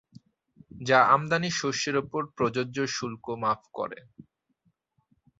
যা আমদানি শস্যের উপর প্রযোজ্য শুল্ক মাফ করে।